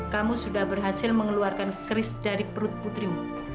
kamu sudah berhasil mengeluarkan kris dari perut putrimu